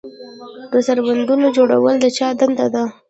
د سربندونو جوړول د چا دنده ده؟